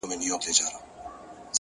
هره لحظه د بدلون فرصت لري.!